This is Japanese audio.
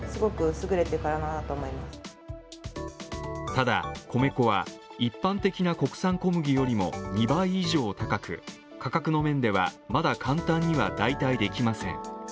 ただ、米粉は一般的な国産小麦よりも２倍以上高く、価格の面では、まだ簡単には代替できません。